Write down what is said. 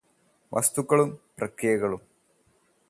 വസ്തുക്കളും പ്രക്രിയകളും